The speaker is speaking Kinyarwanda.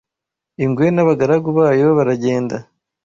Ingwe n'abagaragu bayo baragenda